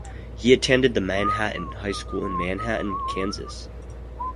He attended the Manhattan High School in Manhattan, Kansas.